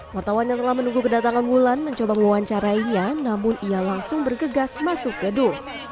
wartawan yang telah menunggu kedatangan wulan mencoba mewawancarainya namun ia langsung bergegas masuk gedung